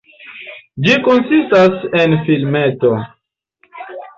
Ĝi konsistas en filmeto.